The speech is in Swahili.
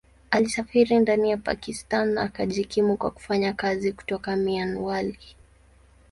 Alisafiri sana ndani ya Pakistan na akajikimu kwa kufanya kazi kutoka Mianwali.